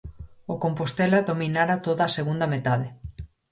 O Compostela dominara toda a segunda metade.